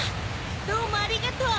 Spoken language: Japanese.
どうもありがとう！